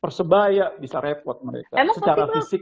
persebaya bisa repot mereka secara fisik